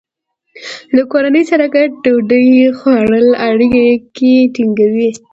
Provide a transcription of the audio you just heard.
د کورنۍ سره ګډه ډوډۍ خوړل اړیکې ټینګوي.